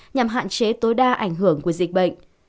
nhằm hạn chế tối đa ảnh hưởng của dịch bệnh